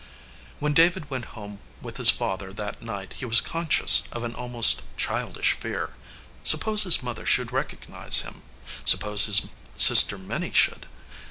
When David went home with his father that night he was conscious of an almost childish fear. Suppose his mother should recognize him? Sup pose his sister Minnie should?